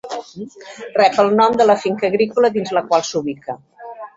Rep el nom de la finca agrícola dins la qual s'ubica.